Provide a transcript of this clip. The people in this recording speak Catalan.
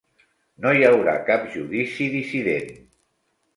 No hi haurà cap judici dissident.